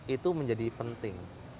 itu menjadi penting